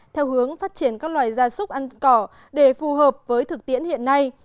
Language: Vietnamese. theo hướng phát triển các loài gia súc ăn cỏ để phù hợp với thực tiễn hiện nay